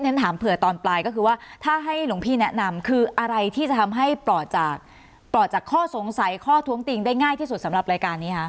ฉันถามเผื่อตอนปลายก็คือว่าถ้าให้หลวงพี่แนะนำคืออะไรที่จะทำให้ปลอดจากปลอดจากข้อสงสัยข้อท้วงติงได้ง่ายที่สุดสำหรับรายการนี้ค่ะ